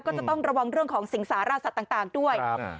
ก็จะต้องระวังเรื่องของสิงสารสัตว์ต่างด้วย